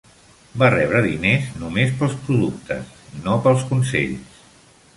Va rebre diners només pels productes, no pels consells.